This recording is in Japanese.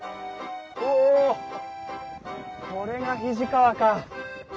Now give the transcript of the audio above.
おおこれが肱川か。